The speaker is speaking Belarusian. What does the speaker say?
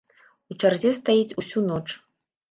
У чарзе стаіць усю ноч.